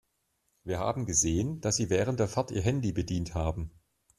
Wir haben gesehen, dass Sie während der Fahrt Ihr Handy bedient haben.